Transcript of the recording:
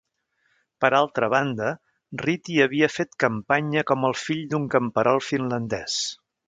Per altra banda, Ryti havia fet campanya com el fill d'un camperol finlandès.